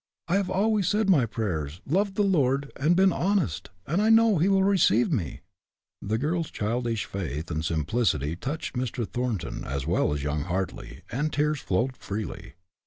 I have always said my prayers, loved the Lord, and been honest, and I know He will receive me." The girl's childish faith and simplicity touched Mr. Thornton as well as young Hartly, and tears flowed freely.